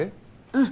うん。